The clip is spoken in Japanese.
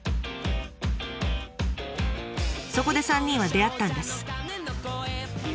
そこで３人は出会ったんです。